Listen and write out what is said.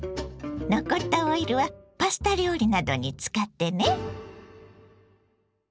残ったオイルはパスタ料理などに使ってね。